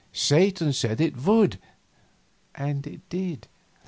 Satan said it would, and it did.